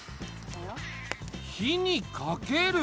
火にかける。